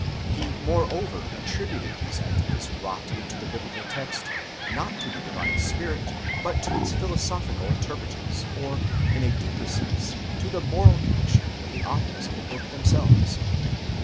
He moreover attributed these ideas wrought into the biblical text, not to the Divine Spirit, but to its philosophical interpreters, or in a deeper sense, to the moral condition of the authors of the book themselves.